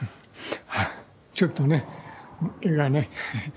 ちょっとね絵がね